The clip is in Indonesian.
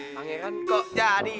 pangeran kok jadi